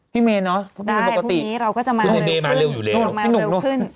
พี่เมนเนอะพวกเมนปกติแล้วพี่หนุ่มเลย